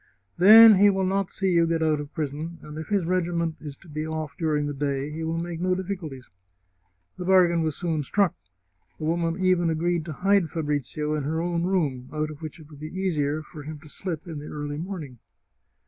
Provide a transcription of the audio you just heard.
Then he will not see you get out of prison, and if his regiment is to be off during the day, he will make no difficulties." The bargain was soon struck; the woman even agreed to hide Fabrizio in her own room, out of which it would be easier for him to slip in the early morning.